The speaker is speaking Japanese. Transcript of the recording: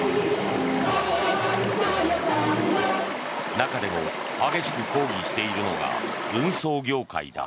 中でも激しく抗議しているのが運送業界だ。